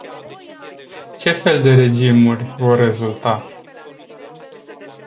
Ce fel de regimuri vor rezulta?